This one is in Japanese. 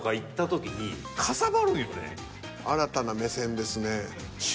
新たな目線ですね。